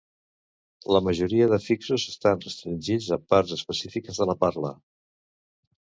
La majoria d'afixos estan restringits a parts específiques de la parla.